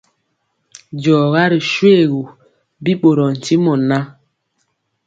Diɔga ri shoégu, bi ɓorɔɔ ntimɔ ŋan.